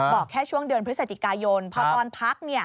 บอกแค่ช่วงเดือนพฤศจิกายนพอตอนพัก